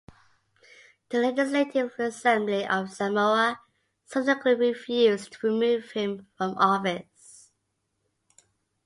The Legislative Assembly of Samoa subsequently refused to remove him from office.